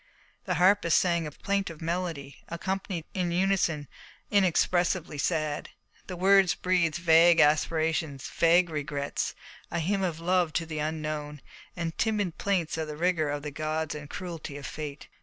The harpist sang a plaintive melody, accompanied in unison, inexpressibly sad. The words breathed vague aspirations, vague regrets, a hymn of love to the unknown, and timid plaints of the rigour of the gods and the cruelty of fate.